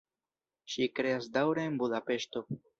Ŝi kreas daŭre en Budapeŝto.